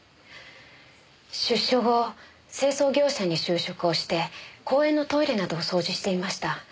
出所後清掃業者に就職をして公園のトイレなどを掃除していました。